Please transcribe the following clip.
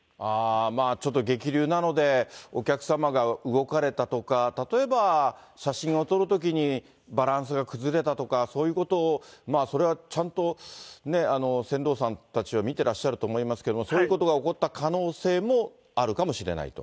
ちょっと激流なので、お客様が動かれたとか、例えば写真を撮るときにバランスが崩れたとか、そういうこと、それはちゃんと船頭さんたちは見てらっしゃると思いますけれども、そういうことが起こった可能性もあるかもしれないと。